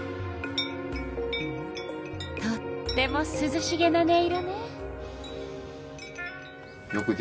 とってもすずしげな音色ね。